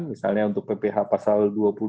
misalnya untuk pph pasal dua puluh dua